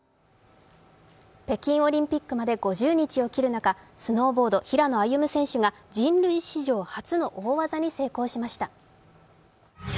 北京オリンピックまで５０日を切る中、スノーボード・平野歩夢選手が人類史上初の大技に成功しました。